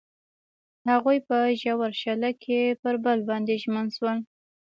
هغوی په ژور شعله کې پر بل باندې ژمن شول.